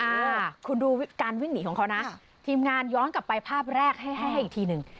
อ่าคุณดูการวิ่งหนีของเขานะทีมงานย้อนกลับไปภาพแรกให้ให้อีกทีหนึ่ง